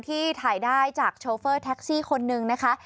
ที่ถ่ายได้จากโชเฟอร์แท็กซี่คนนึงนะคะ